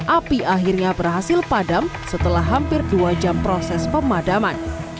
api akhirnya berhasil padam setelah hampir dua jam proses pemadaman